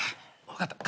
分かった。